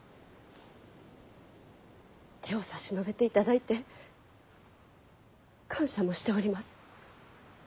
手を差し伸べていただいて感謝もしております。